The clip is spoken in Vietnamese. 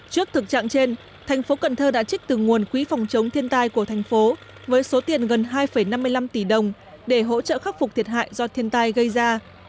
trước thực trạng trên thành phố cần thơ đã trích từ nguồn quý phòng chống thiên tai của thành phố với số tiền gần hai năm mươi năm tỷ đồng để hỗ trợ khắc phục thiệt hại do thiên tai gây ra